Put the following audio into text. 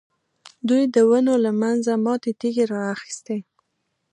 دوی د ونو له منځه ماتې تېږې را اخیستې.